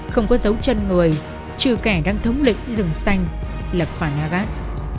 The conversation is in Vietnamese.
không có dấu chân người trừ kẻ đang thống lĩnh rừng xanh là khoả nga gát